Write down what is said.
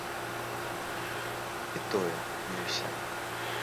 І тое, не ўся.